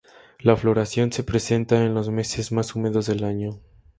La floración se presenta en los meses más húmedos del año.